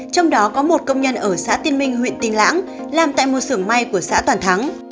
trong đó có một công nhân ở xã tiên minh huyện tiên lãng làm tại một sưởng may của xã toàn thắng